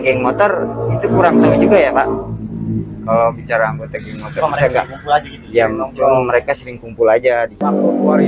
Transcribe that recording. geng motor itu kurang tahu juga ya pak kalau bicara anggota geng motor mereka sering kumpul aja di